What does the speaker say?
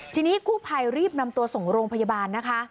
ทีนี้กู้ภัยรีบนำตัวส่งโรงพยาบาลนะคะ